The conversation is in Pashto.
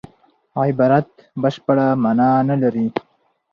عبارت بشپړه مانا نه لري.